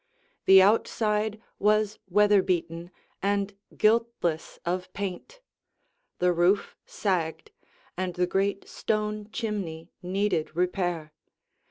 The outside was weather beaten and guiltless of paint. The roof sagged, and the great stone chimney needed repair.